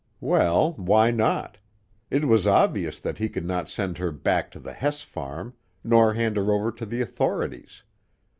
Well, why not? It was obvious that he could not send her back to the Hess farm nor hand her over to the authorities.